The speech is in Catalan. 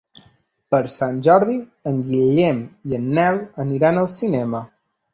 Per Sant Jordi en Guillem i en Nel aniran al cinema.